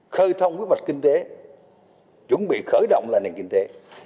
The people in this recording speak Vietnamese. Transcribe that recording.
khơi thông với mạch kinh tế chuẩn bị khởi động lại nền kinh tế